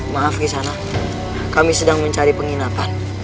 maaf gisana kami sedang mencari penginapan